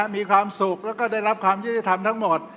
มีความสุขและได้รับความยื้อจิตรธรรมทั้งหมด